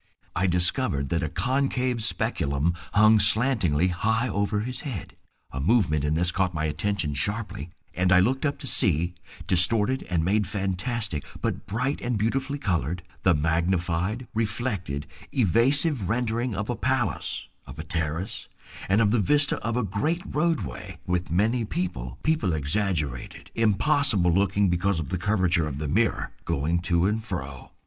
... I discovered that a concave speculum hung slantingly high over his head; a movement in this caught my attention sharply, and I looked up to see, distorted and made fantastic but bright and beautifully colored, the magnified, reflected, evasive rendering of a palace, of a terrace, of the vista of a great roadway with many people, people exaggerated, impossible looking because of the curvature of the mirror, going to and fro.